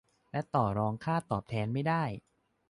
และต่อรองค่าตอบแทนไม่ได้